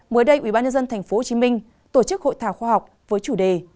mới đây ubnd tp hcm tổ chức hội thảo khoa học với chủ đề